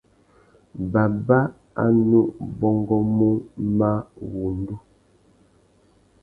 Baba a nu bôngômú máh wŭndú.